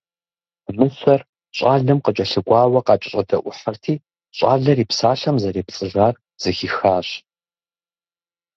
Мыщэр щӏалэм къыкӏэлъыкӏуауэ къакӏэщӏэдэӏухьырти, щӏалэр и псалъэм зэрепцӏыжар зэхихащ.